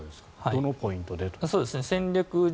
どのポイントでという。